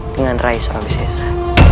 dengan raih surawi sesa